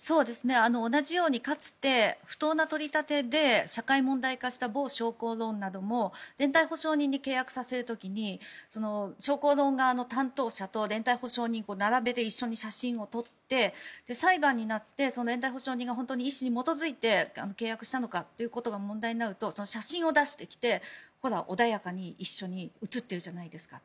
同じようにかつて不当な取り立てで社会問題化した某商工ローンなども連帯保証人に契約させる時に商工ローン側の担当者と連帯保証人を並べて一緒に写真を撮って裁判になって連帯保証人が意思に基づいて契約したのかということが問題になると、写真を出してきてほら、穏やかに一緒に写っているじゃないですか